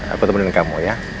aku temenin kamu ya